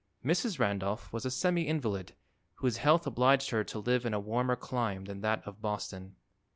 Mrs. Randolph was a semi invalid whose health obliged her to live in a warmer clime than that of Boston.